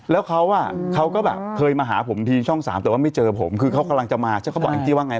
แล้วเขาก็แบบเคยมาหาผมที่ช่อง๓แต่ว่าไม่เจอผมคือเขากำลังจะมาเขาก็บอกอันตรีว่าไง